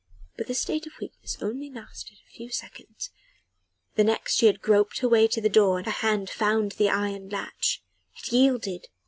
But this state of weakness only lasted a few seconds: the next she had groped her way to the door and her hand had found the iron latch. It yielded.